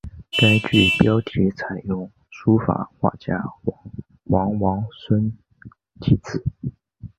该剧标题采用书画家王王孙题字。